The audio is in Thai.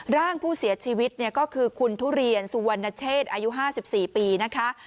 ร่างผู้เสียชีวิตก็คือคุณทุเรียนสุวรรณเชษอายุ๕๔ปีนะคะ